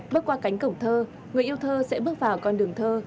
bước qua cánh cổng thơ người yêu thơ sẽ bước vào con đường thơ